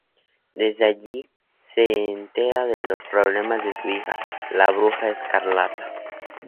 Desde allí, se entera de los problemas de su hija, la Bruja Escarlata.